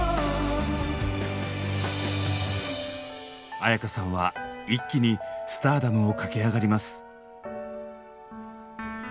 絢香さんは一気にスターダムを駆け上がります。